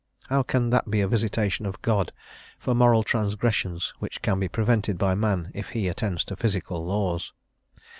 How can that be a visitation of God for moral transgressions, which can be prevented by man if he attends to physical laws?